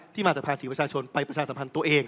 มาจากภาษีประชาชนไปประชาสัมพันธ์ตัวเอง